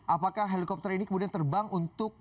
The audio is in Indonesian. apakah helikopter ini kemudian terbang untuk